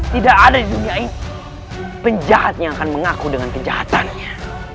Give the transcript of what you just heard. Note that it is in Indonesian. tidak ada di dunia ini penjahatnya akan mengaku dengan kejahatannya